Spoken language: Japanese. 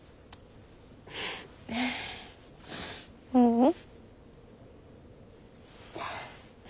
ううん。